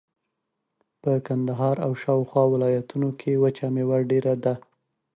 په کندهار او شاوخوا ولایتونو کښې وچه مېوه ډېره ده.